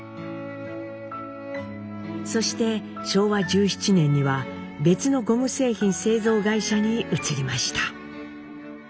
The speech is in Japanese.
そして昭和１７年には別のゴム製品製造会社に移りました。